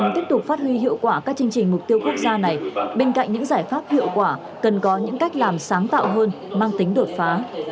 kết quả các chương trình mục tiêu quốc gia này bên cạnh những giải pháp hiệu quả cần có những cách làm sáng tạo hơn mang tính đột phá